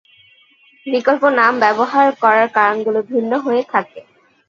বিকল্প নাম ব্যবহার করার কারণগুলো ভিন্ন হয়ে থাকে।